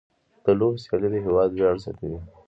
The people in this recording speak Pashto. د لوبو سیالۍ د هېواد ویاړ زیاتوي.